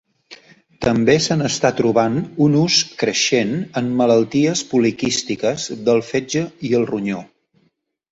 També se n'està trobant un ús creixent en malalties poliquístiques del fetge i el ronyó.